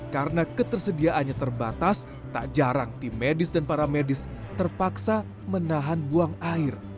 karena ketersediaannya terbatas tak jarang tim medis dan paramedis terpaksa menahan buang air